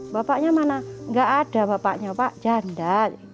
bapaknya mana nggak ada bapaknya pak janda